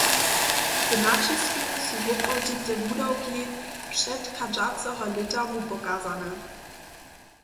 W naćisku su woprawdźite wudawki předchadźaceho lěta wupokazane.